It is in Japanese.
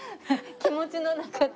気持ちの中が。